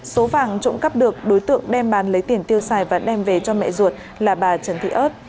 số vàng trộm cắp được đối tượng đem bán lấy tiền tiêu xài và đem về cho mẹ ruột là bà trần thị ớt